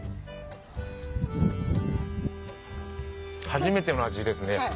初めての味ですね。